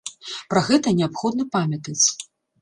Пра гэта неабходна памятаць.